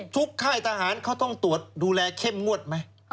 ค่ายทหารเขาต้องตรวจดูแลเข้มงวดไหม